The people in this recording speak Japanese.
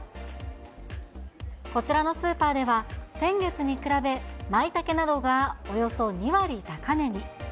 こちらのスーパーでは、先月に比べ、マイタケなどがおよそ２割高値に。